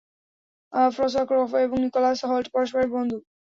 François Truffaut এবং Nicolas Holt পরস্পরের বন্ধু।